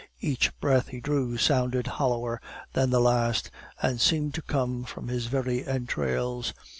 Each breath he drew sounded hollower than the last, and seemed to come from his very entrails.